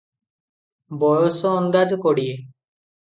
ବୟସ ଅନ୍ଦାଜ କୋଡ଼ିଏ ।